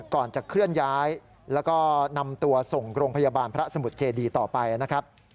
ก่อนจะเคลื่อนย้ายแล้วก็นำตัวส่งโรงพยาบาลพระสมุทรเจดีต่อไปนะครับ